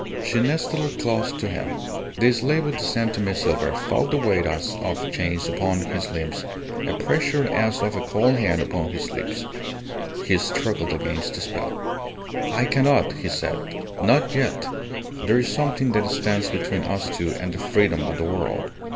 She nestled close to him. The slave of the San Tome silver felt the weight as of chains upon his limbs, a pressure as of a cold hand upon his lips. He struggled against the spell. "I cannot," he said. "Not yet. There is something that stands between us two and the freedom of the world."